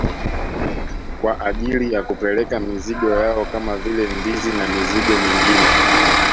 Kwa ajili ya kupeleka mizigo yao kama vile ndizi na mizigo mingine